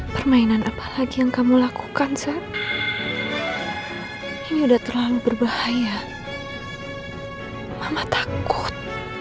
permainan apalagi yang kamu lakukan saya ini udah terlalu berbahaya mama takut